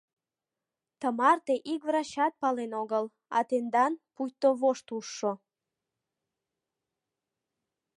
Тымарте ик врачат пален огыл, а тендан — пуйто вошт ужшо.